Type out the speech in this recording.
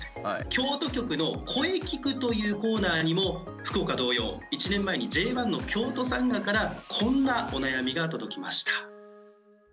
京都局の「こえきく！！」というコーナーにも福岡同様１年前にＪ１の京都サンガからこんなお悩みが届きました。